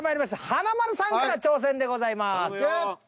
華丸さんから挑戦でございます。